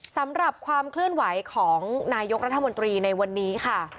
สำหรับความเคลื่อนไหวของนายกรัฐมนตรีในวันนี้ค่ะ